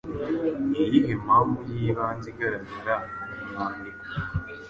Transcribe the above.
Ni iyihe mpamvu y’ibanze igaragara mu mwandiko